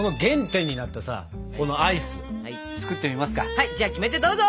はいじゃあキメテどうぞ！